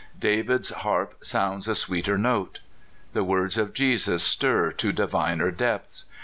David's harp sounds a sweeter note. The words of Jesus stir to diviner depths.